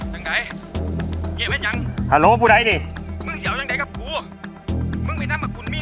ฮัลโหลผู้ใดนี้